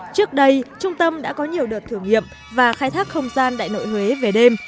trước đây trung tâm đã có nhiều đợt thử nghiệm và khai thác không gian đại nội huế về đêm